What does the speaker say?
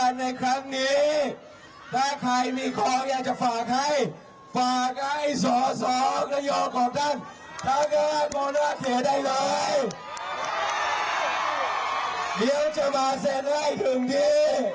เดี๋ยวจะมาเซ็นให้ถึงที่